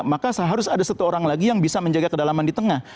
maka seharusnya ada satu orang lagi yang bisa menjaga kedalaman di tengah